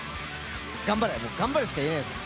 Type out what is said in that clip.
頑張れ、もう頑張れしか言えないです。